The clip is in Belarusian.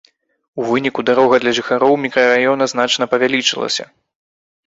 У выніку дарога для жыхароў мікрараёна значна павялічылася.